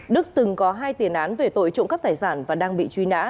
đức từng có hai tiền án về tội trộm cắp tài sản và đang bị truy nã